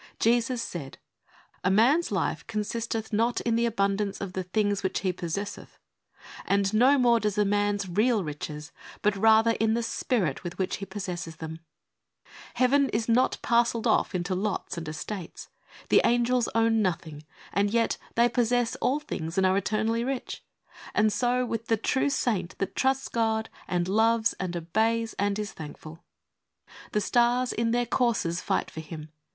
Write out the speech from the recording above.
Jesus said, " A man's life consisteth not in the abundance of the things which he possesseth," and no more does a man's real riches, but rather in the spirit with which he possesses them. ♦Heaven is not parcelled off into lots and estates. The angels own nothing and yet they possess all things and are eternally rich. And so with the true saint that trusts God and loves and obeys and is thankful. * The stars in their courses fight for him.